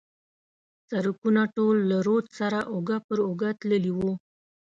سړکونه ټول له رود سره اوږه پر اوږه تللي و.